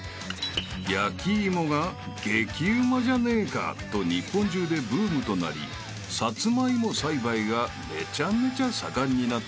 ［焼き芋が激うまじゃねえかと日本中でブームとなりさつまいも栽培がめちゃめちゃ盛んになった川越］